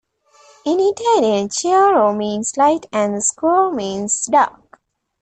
In Italian, "chiaro" means light and "scuro" means dark.